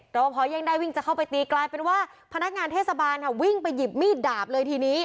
พอยังได้วิ่งจะเข้าไปตีกลายเป็นว่าพนักงานเทศบาลค่ะวิ่งไปหยิบมีดดาบเลยทีนี้